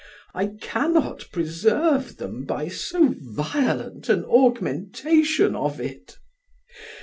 I cannot preserve them by so violent an augmentation of it.